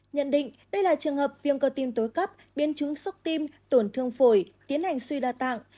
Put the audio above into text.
nhận định đây là trường hợp viêm cơ tim tối cấp biến chứng sốc tim tổn thương phổi tiến hành suy đa tạng